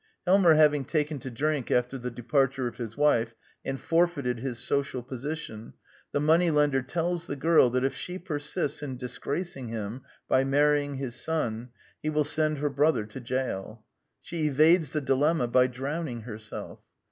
Helmer having taken to drink after the departure of his wife, and forfeited his social position, the money lender tells the girl that if she persists in disgracing him by marrying his son, he will send her brother to gaol. She evades the dilemma by drowning herself.